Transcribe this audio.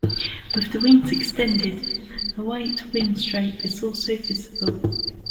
With the wings extended, a white wing-stripe is also visible.